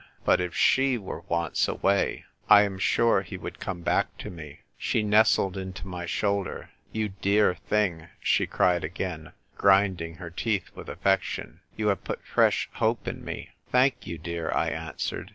But if she were once away, I am sure he would come back to me." She nestled into my shoulder. "You dear thing !" she cried again, grinding her teeth with affection, " you have put fresh hope in me." "Thank you, dear," I answered.